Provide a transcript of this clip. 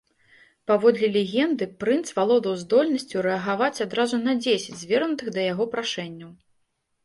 Паводле легенды прынц валодаў здольнасцю рэагаваць адразу на дзесяць звернутых да яго прашэнняў.